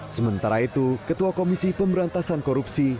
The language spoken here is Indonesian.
sementara itu ketua komisi pemberantasan korupsi